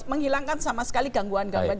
menghilangkan sama sekali gangguan gangguan